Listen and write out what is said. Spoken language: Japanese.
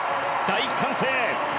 大歓声！